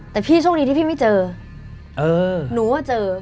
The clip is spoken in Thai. แต่พี่โชคดีที่พี่ไม่เจอหนูว่าเจอ